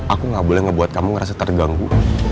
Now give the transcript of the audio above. aku gak boleh ngebuat kamu ngerasa terganggu